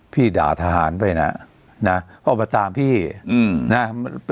พี่ด่าทหารไปนะนะเพราะมาตามพี่อืม